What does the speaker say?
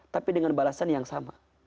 tapi dengan balasan yang sama